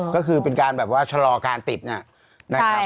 ก็คือเป็นการแบบว่าชะลอการติดนะครับ